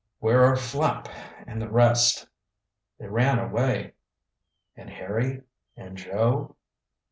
"Where are Flapp and the rest?" "They ran away." "And Harry and Joe?"